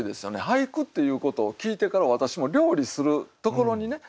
俳句っていうことを聞いてから私も料理するところにね